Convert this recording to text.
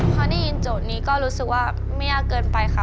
พอได้ยินโจทย์นี้ก็รู้สึกว่าไม่ยากเกินไปค่ะ